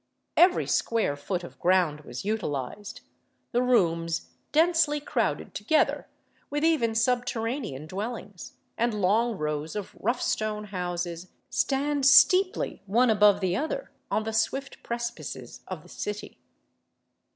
Every square foot of ground was utilized, the rooms densely crowded together, with even subterranean dwellings, and long rows of rough stone houses stand steeply one above the other on the swift precipices of the city.